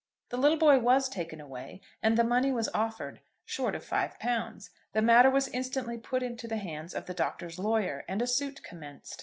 The little boy was taken away and the money was offered, short of £5. The matter was instantly put into the hands of the Doctor's lawyer, and a suit commenced.